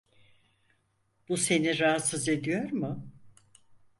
Bu seni rahatsız ediyor mu?